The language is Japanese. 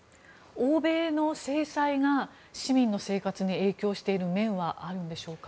欧米の制裁が市民の生活に影響している面はあるんでしょうか。